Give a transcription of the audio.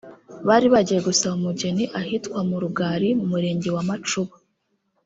Bari bagiye gusaba umugeni ahitwa mu rugari mu murenge wa Macuba